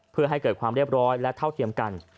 เพื่อให้เกิดความเรียบร้อยและเท่าเทียมกัน